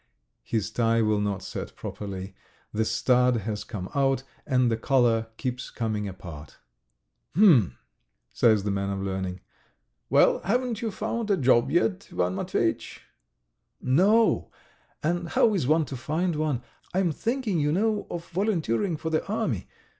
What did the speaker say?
His tie will not set properly, the stud has come out, and the collar keeps coming apart. "H'm! ..." says the man of learning. "Well, haven't you found a job yet, Ivan Matveyitch?" "No. And how is one to find one? I am thinking, you know, of volunteering for the army.